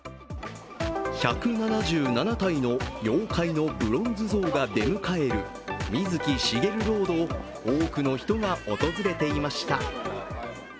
１７７体の妖怪のブロンズ像が出迎える、水木しげるロードを多くの人が訪れていました。